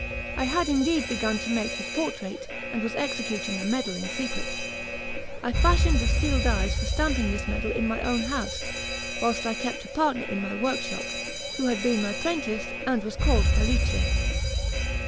I had indeed begun to make his portrait, and was executing a medal in secret. I fashioned the steel dies for stamping this medal in my own house; while I kept a partner in my workshop, who had been my prentice and was called Felice.